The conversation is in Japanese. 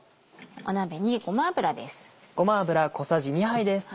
鍋にごま油です。